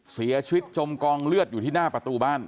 เสียชีวิตจมกองเลือดอยู่ที่หน้าประตูบ้าน